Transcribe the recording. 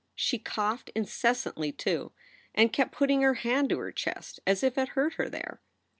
She coughed incessantly, too, and kept putting her hand to her chest as if it hurt her there.